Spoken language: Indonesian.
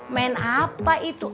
main apa itu